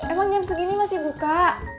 emang jam segini masih buka